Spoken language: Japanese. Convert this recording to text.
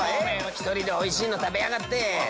１人でおいしいの食べやがって。